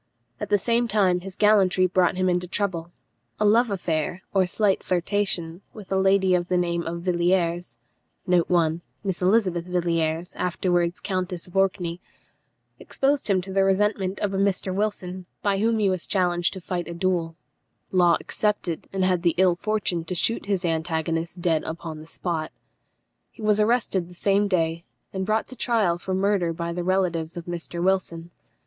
At the same time his gallantry brought him into trouble. A love affair, or slight flirtation, with a lady of the name of Villiers, exposed him to the resentment of a Mr. Wilson, by whom he was challenged to fight a duel. Law accepted, and had the ill fortune to shoot his antagonist dead upon the spot. He was arrested the same day, and brought to trial for murder by the relatives of Mr. Wilson.